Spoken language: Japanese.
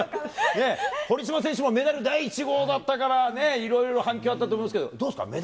堀島選手もメダル第１号だったからね、いろいろ反響あったと思うんですけど、どうですか？